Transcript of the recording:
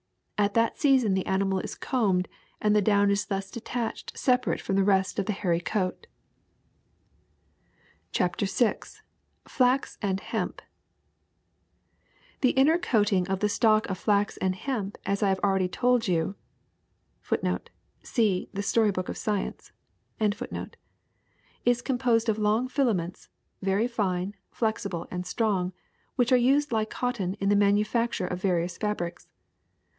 At that season the animal is combed and the down is thus detached separate from the rest of the hairy coat.'' ti T CHAPTER VI FLAX AND HEMP HE inner coating of the stalk of flax and hemp, as I have already told ^ you, is composed of long filaments, very fine, flexible, and strong, which are used like cotton in the manufacture of vari ous fabrics.